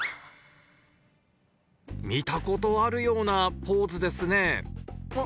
見たことあるようなポーズですね